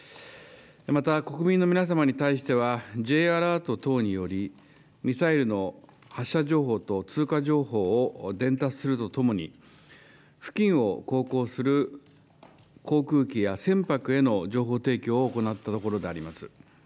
また、国民の皆様に対しては、Ｊアラート等により、ミサイルの発射情報と通過情報を伝達するとともに、付近を航行する航空機や船舶への情報提供を行ったところであります。